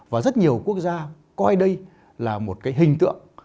và rất nhiều quốc gia coi đây là một cái hình tượng